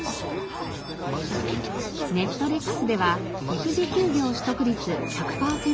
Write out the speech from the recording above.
ネットレックスでは育児休業取得率１００パーセント